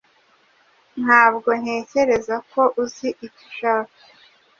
Ntabwo ntekereza ko uzi icyo ushaka.